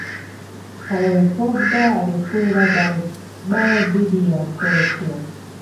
paul pogba alifunga bao dhidi ya Croatia